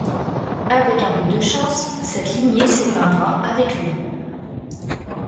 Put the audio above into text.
Avec un peu de chance, cette lignée s’éteindra avec lui.